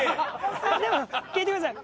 でも聞いてください。